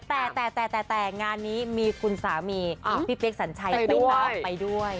แต่แต่งานนี้มีคุณสามีพี่เป๊กสัญชัยไปฝากไปด้วย